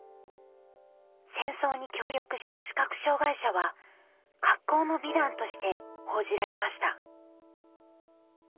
戦争に協力した視覚障害者は格好の美談として報じられました。